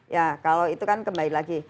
ya kalau itu kan kembali lagi